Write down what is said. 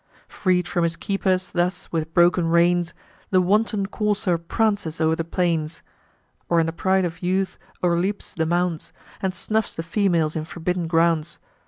Freed from his keepers, thus, with broken reins, The wanton courser prances o'er the plains, Or in the pride of youth o'erleaps the mounds, And snuffs the females in forbidden grounds.